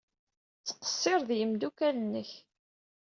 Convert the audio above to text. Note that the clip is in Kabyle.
Ttqeṣṣir ed yimeddukal-nnek.